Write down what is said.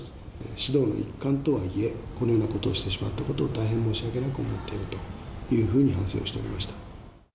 指導の一環とはいえ、このようなことをしてしまったことを、大変申し訳なく思っているというふうに反省をしておりました。